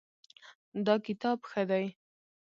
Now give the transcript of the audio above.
دا کتاب ښه دی